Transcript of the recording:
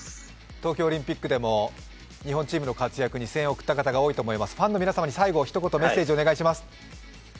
東京オリンピックでも、日本チームの活躍に声援を送った方も多いと思いますがファンの皆様に最後ひと言メッセージをお願いします。